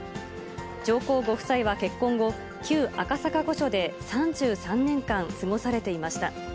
上皇ご夫妻は結婚後、旧赤坂御所で３３年間過ごされていました。